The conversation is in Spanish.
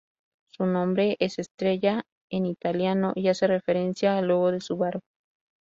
Su nombre es estrella en italiano y hace referencia al logo de Subaru.